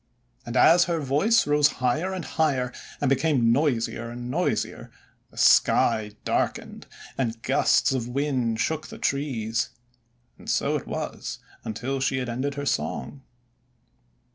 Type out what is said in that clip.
And as her voice rose higher and higher, and became noisier and noisier, the sky darkened, and gusts of wind shook the trees. And so it was until she had ended her song.